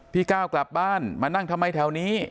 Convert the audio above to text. ก้าวกลับบ้านมานั่งทำไมแถวนี้